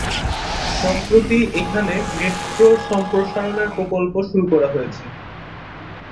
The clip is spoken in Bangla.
সম্প্রতি এখানে মেট্রো সম্প্রসারণের প্রকল্প শুরু করা হয়েছে।